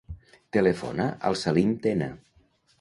Telefona al Salim Tena.